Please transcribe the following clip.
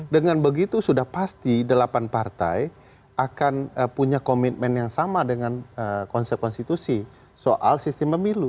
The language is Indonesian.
dengan begitu sudah pasti delapan partai akan punya komitmen yang sama dengan konsep konstitusi soal sistem pemilu